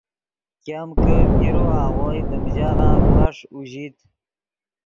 ګیم کہ پیرو آغوئے دیم ژاغہ پیݰ اوژیت